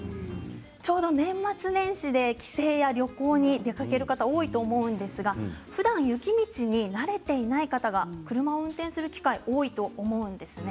ちょうど年末年始で帰省や旅行に出かける方、多いと思うんですがふだん雪道に慣れていない方が車を運転する機会多いと思うんですね。